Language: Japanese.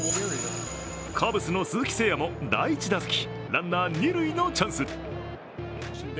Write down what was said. カブスの鈴木誠也も第１打席ランナー・二塁のチャンス。